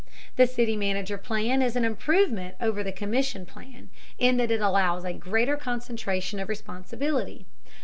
The city manager plan is an improvement over the commission plan, in that it allows a greater concentration of responsibility.